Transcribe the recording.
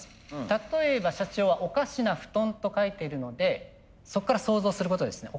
例えば社長は「おかしな」「ふとん」と書いてるのでそこから想像することですね。